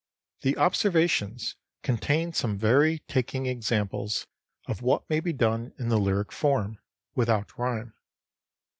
The 'Observations' contain some very taking examples of what may be done in the lyric form, without rhyme.